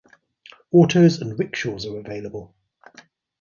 Autos and Rickshaws are available.